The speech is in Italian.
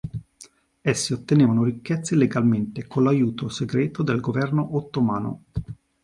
Essi ottenevano ricchezze illegalmente con l'aiuto segreto del governo ottomano.